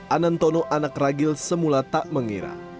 anantono anak ragil semula tak mengira